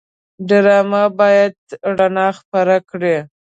ډرامه باید رڼا خپره کړي